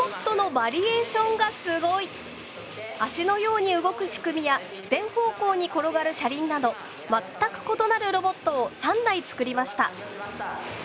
脚のように動く仕組みや全方向に転がる車輪など全く異なるロボットを３台作りました。